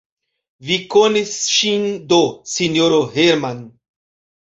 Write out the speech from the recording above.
Vi konis ŝin do, sinjoro Hermann!